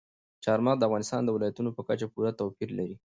چار مغز د افغانستان د ولایاتو په کچه پوره توپیر لري.